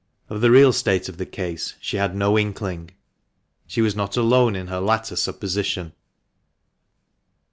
Of the real state of the case she had no inkling. She was not alone in her latter supposition.